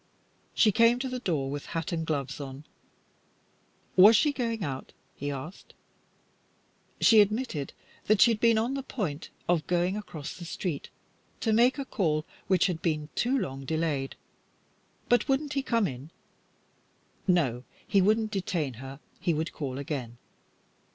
She came to the door with hat and gloves on. Was she going out? he asked. She admitted that she had been on the point of going across the street to make a call which had been too long delayed, but wouldn't he come in. No, he would not detain her; he would call again.